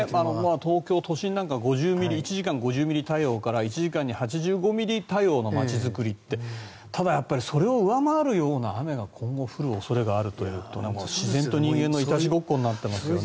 東京都心なんかは１時間に５０ミリ対応から１時間に８０ミリ対応の街づくりってただそれを上回るような雨が今後降る恐れがあるというと自然と人間のいたちごっこになっていますよね。